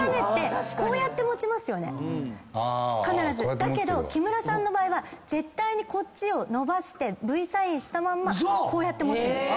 だけど木村さんの場合は絶対にこっちを伸ばしてＶサインしたままこうやって持つ。